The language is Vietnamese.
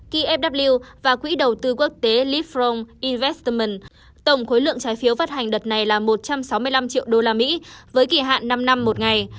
kfw và quỹ đầu tư quốc tế livron investment tổng khối lượng trái phiếu phát hành đợt này là một trăm sáu mươi năm triệu đô la mỹ với kỳ hạn năm năm một ngày